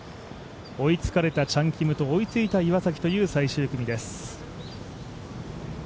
追いつかれたチャン・キムと追いついた岩崎という最終組です。